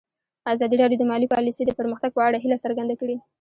ازادي راډیو د مالي پالیسي د پرمختګ په اړه هیله څرګنده کړې.